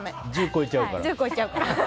１０超えちゃうから。